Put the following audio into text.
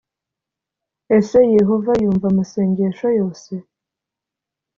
Ese Yehova yumva amasengesho yose?